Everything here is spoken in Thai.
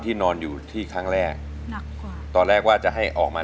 แล้วตอนนี้พี่พากลับไปในสามีออกจากโรงพยาบาลแล้วแล้วตอนนี้จะมาถ่ายรายการ